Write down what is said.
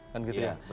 kan gitu ya